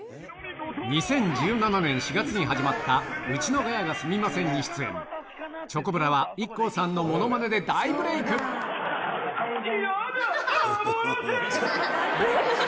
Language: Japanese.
２０１７年４月に始まった『ウチのガヤがすみません！』に出演チョコプラはＩＫＫＯさんのモノマネで大ブレークヤダまぼろし！